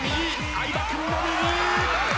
相葉君も右！